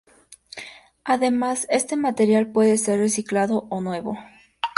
Además, este material puede ser reciclado ó nuevo.